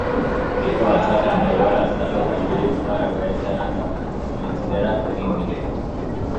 Herriko batzarrean egoera azaldu eta azpilkuetarrek baietza erranda, aitzinerat egin genuen